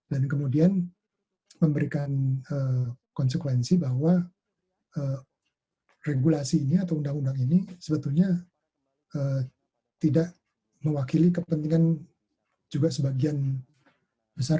dan kemudian memberikan konsekuensi bahwa regulasi ini atau undang undang ini sebetulnya tidak mewakili kepentingan juga sebagian besar